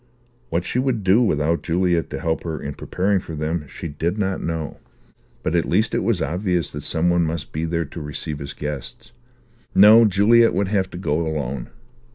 What she would do without Juliet to help her in preparing for them, she did not know, but at least it was obvious that some one must be there to receive his guests. No, Juliet would have to go alone.